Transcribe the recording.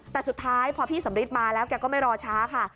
แต่สุดท้ายพอพี่สำริทมาแล้วแกก็ไม่รอช้าค่ะ